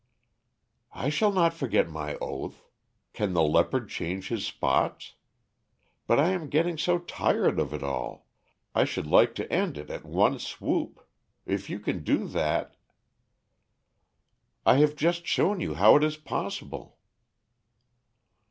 "I shall not forget my oath. Can the leopard change his spots? But I am getting so tired of it all. I should like to end it at one swoop. If you can do that " "I have just shown you how it is possible."